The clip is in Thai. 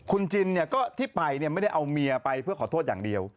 คุณจินที่ไปไม่ได้เอาเมียไปเพื่อขอโทษอย่างเดียว